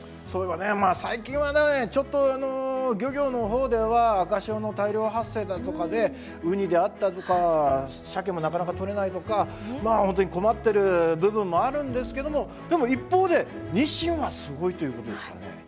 そういえばね最近はちょっと漁業の方では赤潮の大量発生だとかでウニであったりとかシャケもなかなかとれないとかまあ本当に困ってる部分もあるんですけどもでも一方でニシンはすごいということですからね。